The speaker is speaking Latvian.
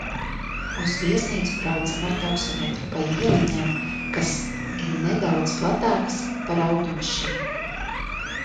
Uz viesnīcu braucam ar taksometru pa ieliņām, kas ir nedaudz platākas par automašīnu.